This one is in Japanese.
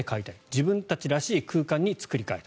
自分たちらしい空間にした。